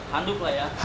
handuk lah ya